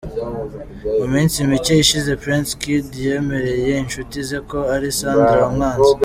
Mu minsi mike ishize Prince Kid yemereye inshuti ze ko ari Sandra wamwanze.